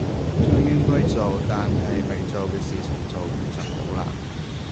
將應該做但係未做嘅事情做完就好啦